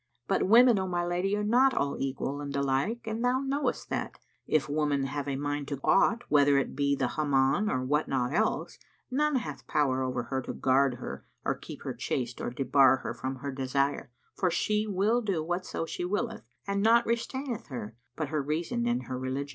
But women, O my lady, are not all equal and alike and thou knowest that, if woman have a mind to aught, whether it be the Hammam or what not else, none hath power over her to guard her or keep her chaste or debar her from her desire; for she will do whatso she willeth and naught restraineth her but her reason and her religion."